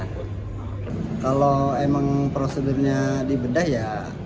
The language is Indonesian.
kalau emang prosedurnya dibedah ya